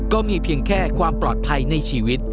ก็มีเพียงแค่ความปลอดภัยในชีวิต